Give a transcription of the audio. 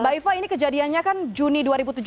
mbak iva ini kejadiannya kan juni dua ribu tujuh belas